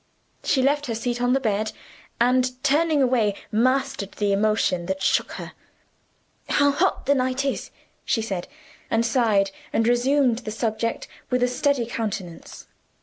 She left her seat on the bed, and, turning away, mastered the emotion that shook her. "How hot the night is!" she said: and sighed, and resumed the subject with a steady countenance.